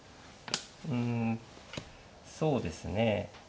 うんそうですね。